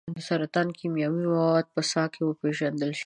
د سرطان کیمیاوي مواد به په ساه کې وپیژندل شي.